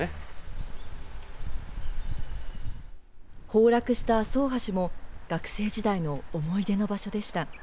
崩落した阿蘇大橋も学生時代の思い出の場所でした。